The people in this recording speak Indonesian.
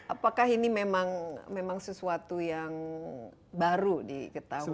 apakah ini memang sesuatu yang baru diketahui